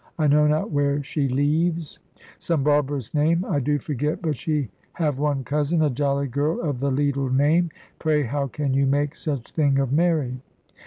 I know not where she leeves, some barbarous name. I do forget but she have one cousin, a jolly girl, of the leetle name pray how can you make such thing of 'Mary?'"